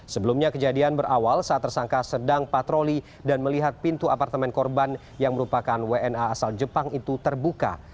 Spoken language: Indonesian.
sebelumnya kejadian berawal saat tersangka sedang patroli dan melihat pintu apartemen korban yang merupakan wna asal jepang itu terbuka